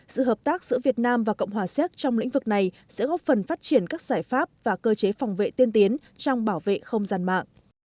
sự hợp tác giữa việt nam và cộng hòa xéc trong lĩnh vực này sẽ góp phần phát triển các giải pháp và cơ chế phòng vệ tiên tiến trong bảo vệ không gian mạng